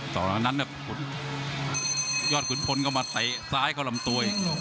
ตอนนั้นครับยอดขุนพลเข้ามาไตล์ซ้ายเข้าลำตัว